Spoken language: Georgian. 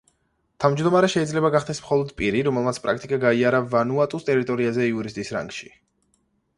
თავმჯდომარე შეიძლება გახდეს მხოლოდ პირი, რომელმაც პრაქტიკა გაიარა ვანუატუს ტერიტორიაზე იურისტის რანგში.